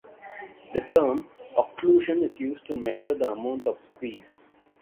The term "occlusion" is used to measure the amount of squeeze.